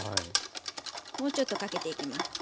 もうちょっとかけていきます。